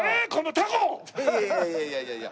いやいやいやいや。